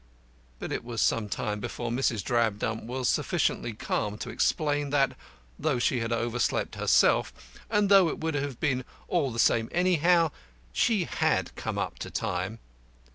But it was some time before Mrs. Drabdump was sufficiently calm to explain that, though she had overslept herself, and though it would have been all the same anyhow, she had come up to time.